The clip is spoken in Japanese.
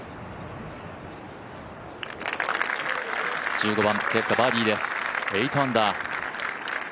１５番ケプカ、バーディーです、８アンダー。